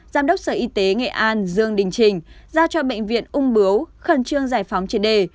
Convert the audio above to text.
giám đốc sở y tế nghệ an dương đình trình giao cho bệnh viện úng biếu khẩn trương giải phóng trên đề